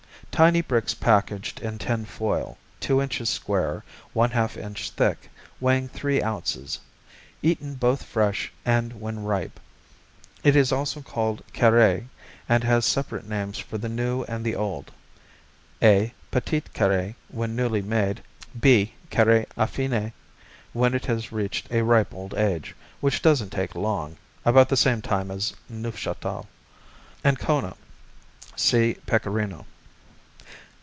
Tiny bricks packaged in tin foil, two inches square, one half inch thick, weighing three ounces. Eaten both fresh and when ripe. It is also called Carré and has separate names for the new and the old: (a) Petit Carré when newly made; (b) Carré Affiné, when it has reached a ripe old age, which doesn't take long about the same time as Neufchâtel. Ancona see Pecorino.